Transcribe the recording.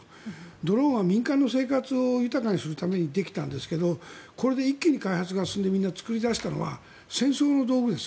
ドローンは民間の生活を豊かにするためにできたんですけどこれで一気に開発が進んで作り出したのは戦争の道具です。